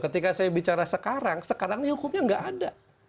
ketika saya bicara sekarang sekarang ini hukumnya nggak ada